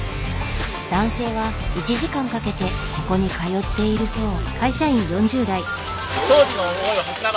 男性は１時間かけてここに通っているそう。